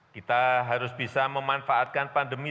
kita harus bisa memanfaatkan pandemi